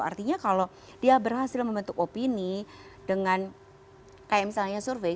artinya kalau dia berhasil membentuk opini dengan kayak misalnya survei